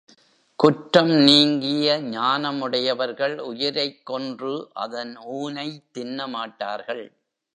குற்றம் நீங்கிய ஞானம் உடையவர்கள் உயிரைக் கொன்று அதன் ஊனைத் தின்னமாட்டார்கள்.